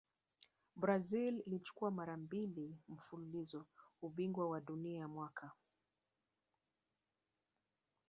brazil ilichukua mara mbili mfululizo ubingwa wa dunia mwaka